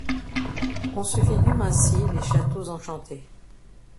On se figure ainsi les châteaux enchantés.